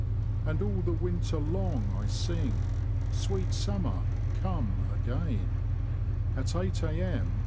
And all the winter long I sing: "Sweet summer, come again." <^T 8 A.M.